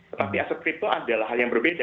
tetapi aset kripto adalah hal yang berbeda